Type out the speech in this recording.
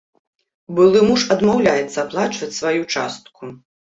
Былы муж адмаўляецца аплачваць сваю частку.